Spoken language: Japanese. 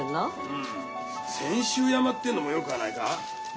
うん千秋山っていうのもよかないか？